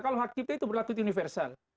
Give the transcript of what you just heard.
kalau hak kita itu berlaku universal